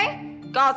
pergi ke luar